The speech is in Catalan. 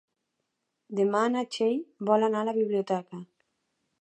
Demà na Txell vol anar a la biblioteca.